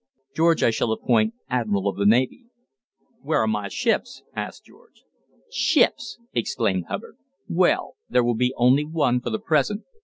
George I shall appoint Admiral of the Navy." "Where are my ships?" asked George. "Ships!", exclaimed Hubbard. "Well, there will be only one for the present.